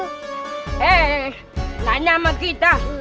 eh tanya sama kita